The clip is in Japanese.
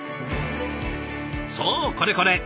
そうこれこれ。